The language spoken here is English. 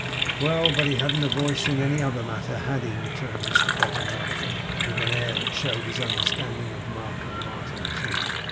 'Well! but he hadn't a voice in any other matter, had he?' returned Mr Bevan; laughing with an air that showed his understanding of Mark and Martin too.